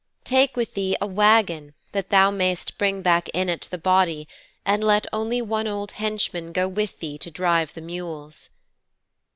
Take with thee a wagon that thou mayst bring back in it the body, and let only one old henchman go with thee to drive the mules."'